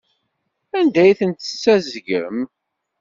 Anda ay ten-tessaggzem?